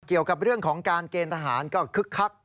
เกี่ยวกับเรื่องของการเกณฑ์ทหารก็คึกคัก